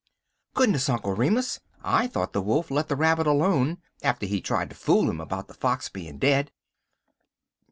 "Goodness, Uncle Remus! I thought the Wolf let the Rabbit alone, after he tried to fool him about the Fox being dead."